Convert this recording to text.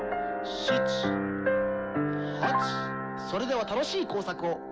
それでは楽しい工作を！